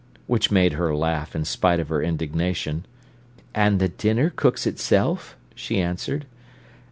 Which made her laugh, in spite of her indignation. "And the dinner cooks itself?" she answered.